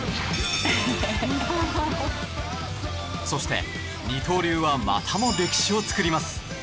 そして二刀流はまたも歴史を作ります。